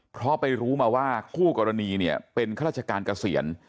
เพราะไปรู้มาว่าคู่กรณีเนี่ยเป็นข้าราชการเกษียณ